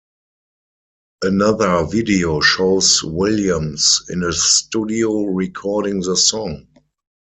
Another video shows Williams in a studio recording the song.